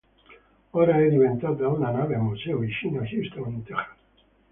Ora è diventata una nave museo vicino Houston in Texas.